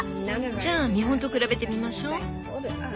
じゃあ見本と比べてみましょ。